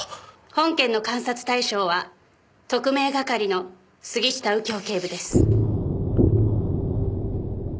本件の監察対象は特命係の杉下右京警部です。